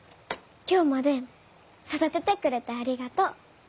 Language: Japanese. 今日まで育ててくれてありがとう。